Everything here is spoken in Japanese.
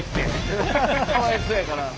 かわいそうやから。